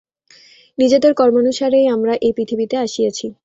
নিজেদের কর্মানুসারেই আমরা এই পৃথিবীতে আসিয়াছি।